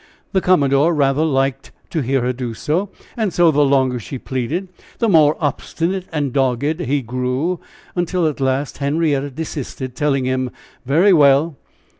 The commodore rather liked to hear her do so, and so the longer she pleaded, the more obstinate and dogged he grew, until at last Henrietta desisted telling him, very well!